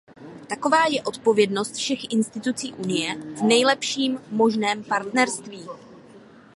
Taková je odpovědnost všech institucí Unie, v nejlepším možném partnerství.